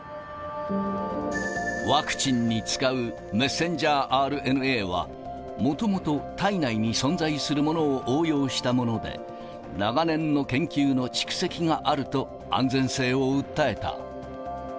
ワクチンに使うメッセンジャーＲＮＡは、もともと体内に存在するものを応用したもので、長年の研究の蓄積があると安全性を訴えた。